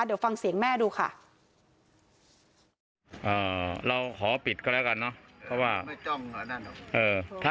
เดี๋ยวฟังเสียงแม่ดูค่ะ